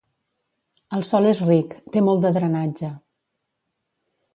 El sòl és ric, té molt de drenatge.